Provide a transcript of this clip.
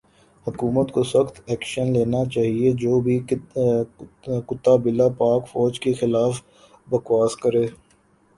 حکومت کو سخت ایکشن لینا چایئے جو بھی کتا بلا پاک فوج کے خلاف بکواس کرے